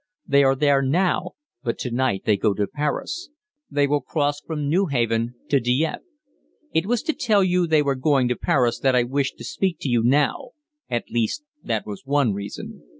They are there now, but to night they go to Paris they will cross from Newhaven to Dieppe. It was to tell you they were going to Paris that I wished to speak to you now at least that was one reason."